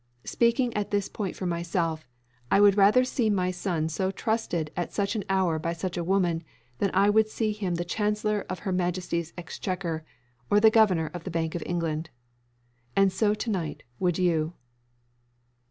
Speaking at this point for myself, I would rather see my son so trusted at such an hour by such a woman than I would see him the Chancellor of Her Majesty's Exchequer, or the Governor of the Bank of England. And so to night would you.